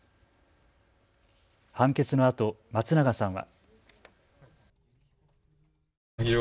判決のあと松永さんは。